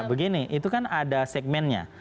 begini itu kan ada segmennya